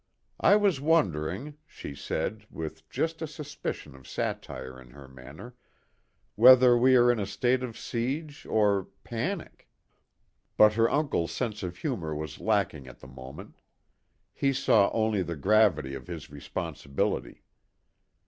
"I was wondering," she said, with just a suspicion of satire in her manner, "whether we are in a state of siege, or panic?" But her uncle's sense of humor was lacking at the moment. He saw only the gravity of his responsibility.